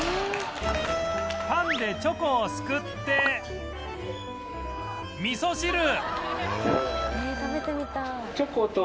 パンでチョコをすくって味噌汁